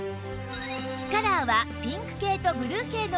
カラーはピンク系とブルー系の２色